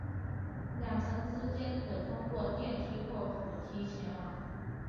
两层之间可通过电梯或扶梯前往。